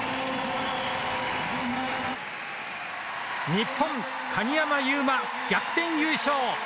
日本鍵山優真逆転優勝！